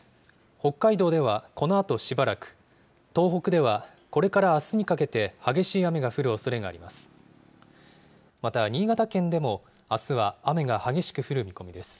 北海道ではこのあとしばらく、東北ではこれからあすにかけて激しい雨が降るおそれがあります。